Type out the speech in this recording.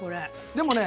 でもね